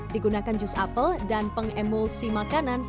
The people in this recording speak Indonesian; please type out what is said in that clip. digunakan jus apel dan pengemulsi makanan